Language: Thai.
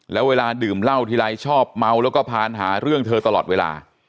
แล้วเวลาดื่มเหล้าทีไรชอบเมาแล้วก็พานหาเรื่องเธอตลอดเวลา